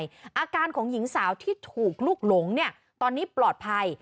อาการของหญิงสาวที่ถูกลูกหลงเนี่ยตอนนี้ปลอดภัย